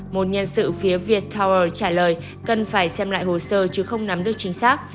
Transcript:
một nhân sự phía việt tower trả lời cần phải xem lại hồ sơ chứ không nắm được chính xác